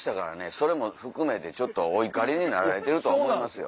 それも含めてお怒りになられてると思います。